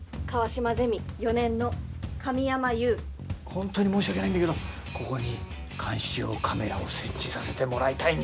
本当に申し訳ないんだけどここに監視用カメラを設置させてもらいたいんだよ。